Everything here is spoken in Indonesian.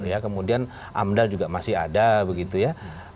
ya kemudian amdal juga masih ada begitu ya